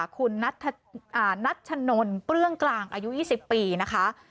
คุณนัชนนเปื้องกลางอายุ๒๐ปีนะคะ